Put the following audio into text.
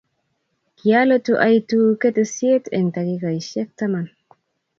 Kialetu aitu ketesyet eng takikaisiek taman